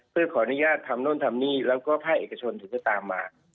เพื่อขออนุญาตทำโน่นทำนี่แล้วก็ภาคเอกชนถึงจะตามมา